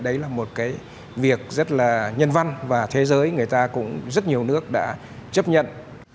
đấy là một cái việc rất là nhân văn và thế giới người ta cũng rất nhiều nước đã chấp nhận